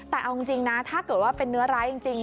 แต่เอาจริงนะถ้าเกิดว่าเป็นเนื้อร้ายจริง